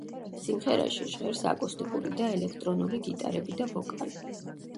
სიმღერაში ჟღერს აკუსტიკური და ელექტრონული გიტარები და ვოკალი.